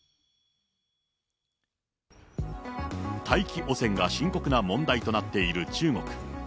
大気汚染が深刻な問題となっている中国。